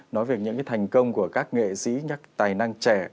nói về những cái thành công của các nghệ sĩ tài năng trẻ